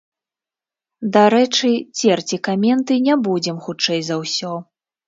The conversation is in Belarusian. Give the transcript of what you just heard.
Дарэчы, церці каменты не будзем хутчэй за ўсё.